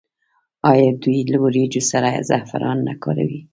آیا دوی له وریجو سره زعفران نه کاروي؟